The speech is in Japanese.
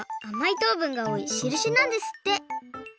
とうぶんがおおいしるしなんですって。